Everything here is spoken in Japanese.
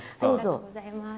ありがとうございます。